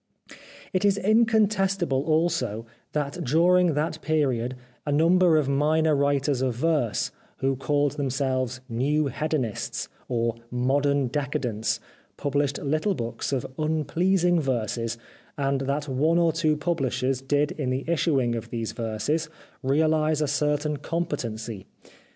It is incontestable also that during that period a number of minor writers of verse, who called themselves new Hedonists or modern decadents, published little books of unpleasing verses, and that one or two publishers did in the issuing of 340 The Life of Oscar Wilde these verses realise a certain competency.